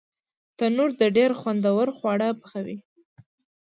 تنور د ډېر خوند خواړه پخوي